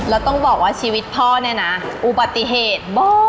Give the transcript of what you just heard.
แล้วต้องบอกว่าชีวิตพ่อเนี่ยนะอุบัติเหตุบ่อย